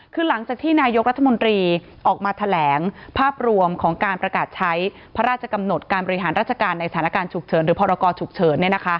คือหลังจากที่นายกรัฐมนตรีออกมาแถลงภาพรวมของการประกาศใช้พระราชกำหนดการบริหารราชการในสถานการณ์ฉุกเฉินหรือพรกรฉุกเฉิน